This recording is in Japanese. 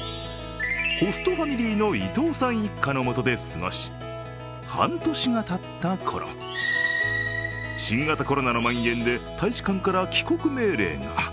ホストファミリーの伊藤さん一家のもとで過ごし、半年がたったころ、新型コロナのまん延で大使館から帰国命令が。